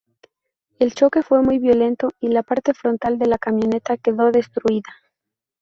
El choque fue muy violento y la parte frontal de la camioneta quedó destruida.